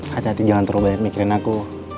hati hati jangan terlalu banyak mikirin aku